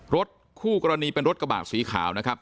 รถคู่กรณีเป็นรถกระบาดสีขาวนะครับ